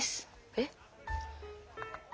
えっ。